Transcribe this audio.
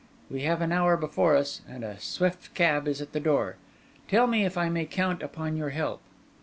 "We have an hour before us, and a swift cab is at the door. Tell me if I may count upon your help."